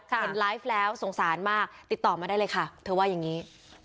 เห็นไลฟ์แล้วสงสารมากติดต่อมาได้เลยค่ะเธอว่าอย่างนี้